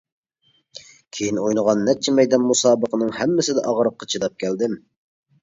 كىيىن ئوينىغان نەچچە مەيدان مۇسابىقىنىڭ ھەممىسىدە ئاغرىققا چىداپ كەلدىم.